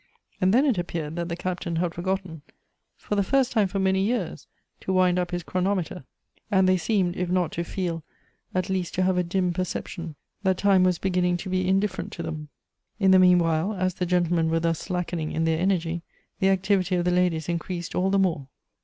And then it appeared that the Captain had forgotten, for the first time for many years, to wind up his chronometer ; and they seemed, if not to feel, at least to have a dim percep tion, that time was beginning to be indifferent to them. In the meanwhile, as the gentlemen were thus slacken ing in their energy, the activity of the ladies increased all the more.